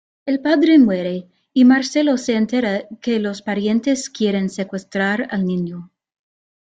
El padre muere y Marcelo se entera que los parientes quieren secuestrar al niño.